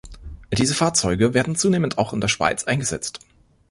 Diese Fahrzeuge werden zunehmend auch in der Schweiz eingesetzt.